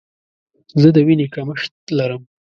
زه د ویني کمښت لرم.